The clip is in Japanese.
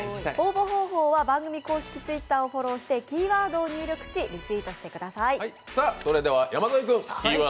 応募方法は番組公式Ｔｗｉｔｔｅｒをフォローしてキーワードを入力し、リツイートしてください。